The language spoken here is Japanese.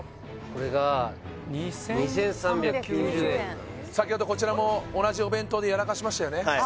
これが２３９０円先ほどこちらも同じお弁当でやらかしましたよね